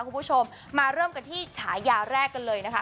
คุณผู้ชมมาเริ่มกันที่ฉายาแรกกันเลยนะคะ